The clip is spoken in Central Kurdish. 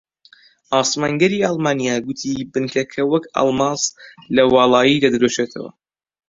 ئاسمانگەڕی ئەڵمانیا گوتی بنکەکە وەک ئەڵماس لە واڵایی دەدرەوشێتەوە